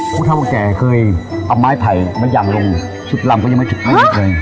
ผู้เท่าแก่เคยเอาไม้ไผ่มันหยั่งลงชุดลำก็ยังไม่ถึงมากเลย